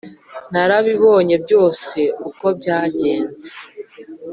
narabibonye byose uko byagenze